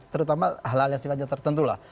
terutama hal hal yang sifatnya tertentu lah